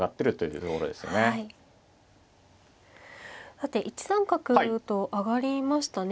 さて１三角と上がりましたね。